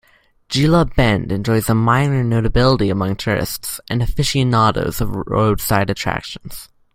Gila Bend enjoys a minor notability among tourists and aficionados of roadside attractions.